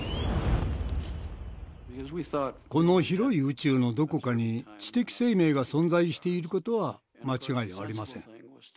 この広い宇宙のどこかに知的生命が存在していることは間違いありません。